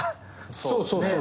そうそうそうそう。